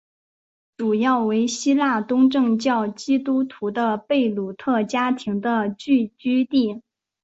主要为希腊东正教基督徒的贝鲁特家庭的聚居地。